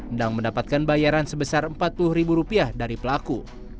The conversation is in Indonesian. endang mendapatkan bayaran sebesar rp empat puluh dari pelaku